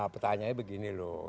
pertanyaannya begini loh